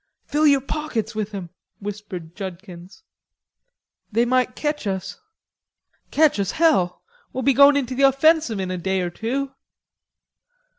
"Fill yer pockets with 'em," whispered Judkins. "They might ketch us." "Ketch us, hell. We'll be goin' into the offensive in a day or two."